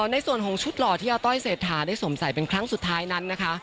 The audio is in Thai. ในส่วนของชุดหล่อที่อาต้อยเศรษฐาได้สวมใส่เป็นครั้งสุดท้ายนั้นนะคะ